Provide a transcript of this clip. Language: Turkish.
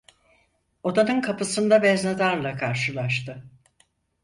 Odanın kapısında veznedarla karşılaştı.